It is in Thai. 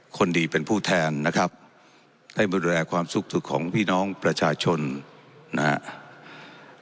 คนดีเป็นผู้แทนนะครับให้มาดูแลความสุขสุขของพี่น้องประชาชนนะครับ